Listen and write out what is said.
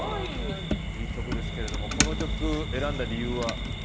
いい曲ですけどこの曲、選んだ理由は？